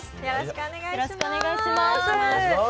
よろしくお願いします。